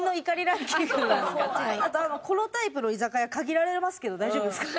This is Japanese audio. あとこのタイプの居酒屋限られますけど大丈夫ですか？